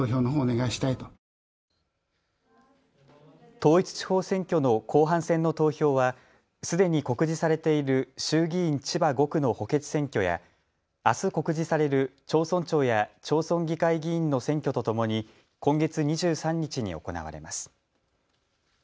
統一地方選挙の後半戦の投票はすでに告示されている衆議院千葉５区の補欠選挙やあす告示される町村長や町村議会議員の選挙とともに今月２３日に行われます。